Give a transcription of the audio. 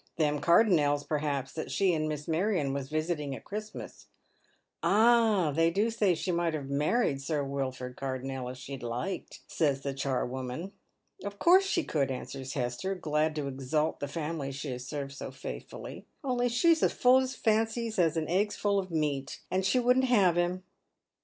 Them Cardonnels, perhaps, that she and Miss Marion was visiting" at Cliristmas." " Ah, they do say she might have married Sir Wilford Car donnel if she'd hked," says the charwoman. " Of course she could," answers Hester, glad to exalt the family she has served so faithfully. " Only she's as full of fancies as an egg's full of meat, and she wouldn't have him."